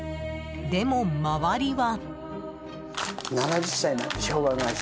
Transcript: でも周りは。